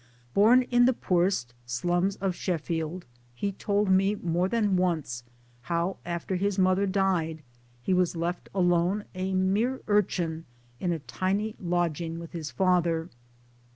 Born in the poorest slums of Sheffield he told me more than once how, after his mother died, he was left alone a mere urchin in a tiny lodging with his father.